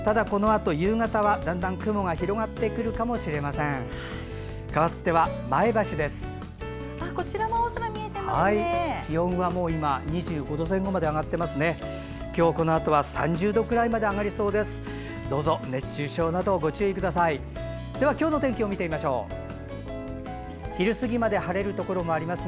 今日このあとは３０度ぐらいまで上がりそうです。